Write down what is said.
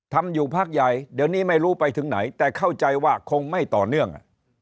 ทำอยู่พักใหญ่เดี๋ยวนี้ไม่รู้ไปถึงไหนแต่เข้าใจว่าคงไม่ต่อเนื่อง